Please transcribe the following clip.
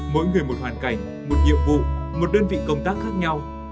mỗi người một hoàn cảnh một nhiệm vụ một đơn vị công tác khác nhau